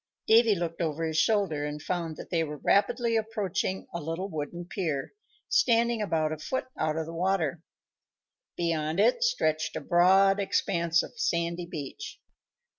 Davy looked over his shoulder and found that they were rapidly approaching a little wooden pier, standing about a foot out of the water. Beyond it stretched a broad expanse of sandy beach.